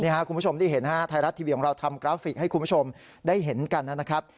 คุณผู้ชมที่เห็นไทยรัฐทีวีของเราทำกราฟิกให้คุณผู้ชมได้เห็นกันนะครับ